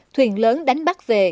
thuyền lớn đánh bắt về